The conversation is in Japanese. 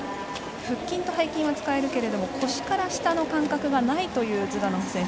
腹筋と背筋は使えるけれども腰から下の感覚がないというズダノフ選手。